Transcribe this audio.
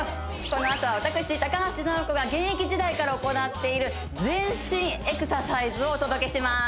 このあとは私高橋尚子が現役時代から行っている全身エクササイズをお届けします